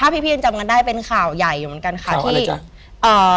พี่มันจำได้เป็นข่าวใหญ่เหมือนกันค่ะข่าวอะไรจ้ะ